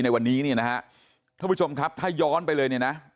ในวันนี้ท่านผู้ชมครับถ้าย้อนไปเลย